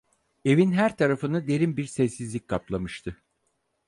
Evin her tarafını derin bir sessizlik kaplamıştı.